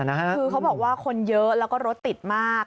คือเขาบอกว่าคนเยอะแล้วก็รถติดมาก